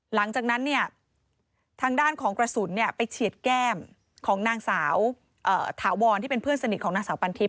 หลังจากนั้นเนี่ยทางด้านของกระสุนไปเฉียดแก้มของนางสาวถาวรที่เป็นเพื่อนสนิทของนางสาวปันทิพ